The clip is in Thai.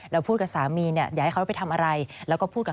พูดกับสามีเนี่ยอยากให้เขาไปทำอะไรแล้วก็พูดกับ